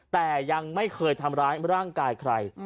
แต่ยังไม่เคยทำร้ายร่างกายใคร